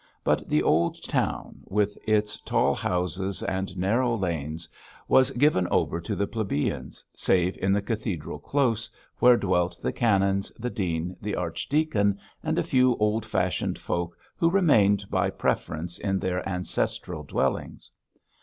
But the old town, with its tall houses and narrow lanes, was given over to the plebeians, save in the Cathedral Close, where dwelt the canons, the dean, the archdeacon, and a few old fashioned folk who remained by preference in their ancestral dwellings.